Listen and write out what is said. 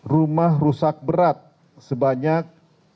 rumah rusak berat sebanyak dua puluh enam dua ratus tiga puluh tujuh